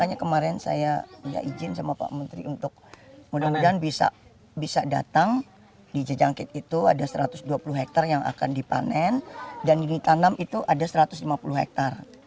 makanya kemarin saya izin sama pak menteri untuk mudah mudahan bisa datang di jejangkit itu ada satu ratus dua puluh hektare yang akan dipanen dan yang ditanam itu ada satu ratus lima puluh hektare